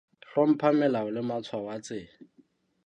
Hlompha melao le matshwao a tsela.